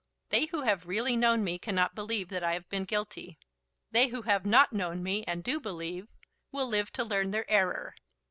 They who have really known me cannot believe that I have been guilty. They who have not known me, and do believe, will live to learn their error."